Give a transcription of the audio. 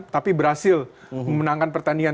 tapi berhasil memenangkan pertandingan